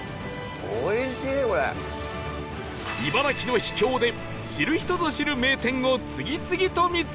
茨城の秘境で知る人ぞ知る名店を次々と見つける事に